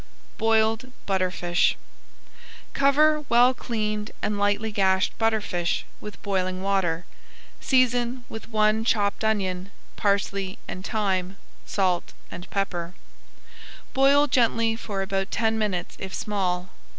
[Page 80] BOILED BUTTERFISH Cover well cleaned and lightly gashed butterfish with boiling water, season with one chopped onion, parsley and thyme, salt and pepper. Boil gently for about ten minutes if small.